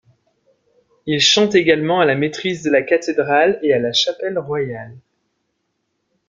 Il chante également à la maîtrise de la cathédrale et à la chapelle royale.